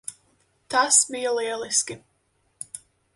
Tas bija lieliski.